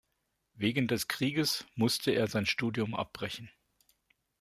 Wegen des Krieges musste er sein Studium abbrechen.